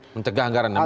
mencegah anggaran namanya